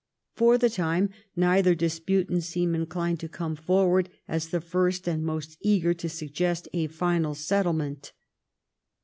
For the time neither disputant seemed inclined to come forward as the first and more eager to suggest a final settlement.